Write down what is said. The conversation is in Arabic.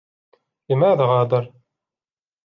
لماذا غادر؟